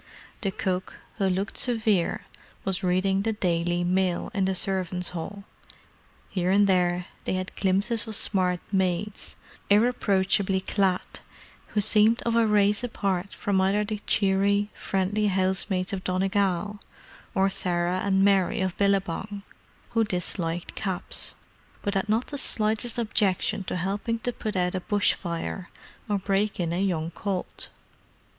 The cook, who looked severe, was reading the Daily Mail in the servants' hall; here and there they had glimpses of smart maids, irreproachably clad, who seemed of a race apart from either the cheery, friendly housemaids of Donegal, or Sarah and Mary of Billabong, who disliked caps, but had not the slightest objection to helping to put out a bush fire or break in a young colt.